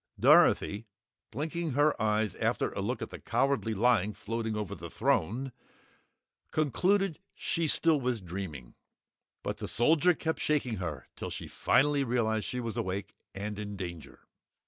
Dorothy blinking her eyes after a look at the Cowardly Lion floating over the throne concluded she still was dreaming. But the Soldier kept shaking her till she finally realized she was awake and in danger.